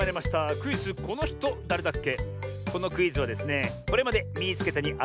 クイズ「このひとだれだっけ？」